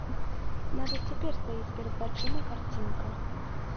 Нават цяпер стаіць перад вачыма карцінка.